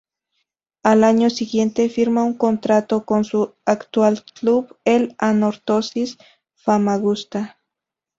Al año siguiente firma un contrato con su actual club, el Anorthosis Famagusta.